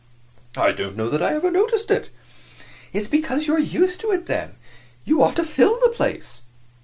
"I don't know that I ever noticed it." "It is because you are used to it, then. You ought to fill the place."